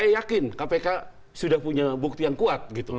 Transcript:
makin kpk sudah punya bukti yang kuat gitu